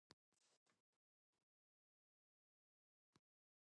He is jovial and fun-loving, fond of battle, women and drink.